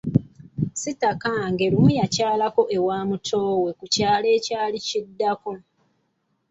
Sitakange lumu yakyalako ewa mutoowe ku kyalo ekyali kiddako.